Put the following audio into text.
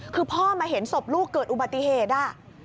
คือพ่อมาเห็นศพลูกเกิดอุบัติเหตุ